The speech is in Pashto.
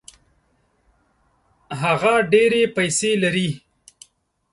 هغه ډېري پیسې لري.